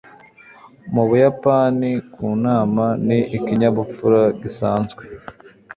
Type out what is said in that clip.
mu buyapani, kunama ni ikinyabupfura gisanzwe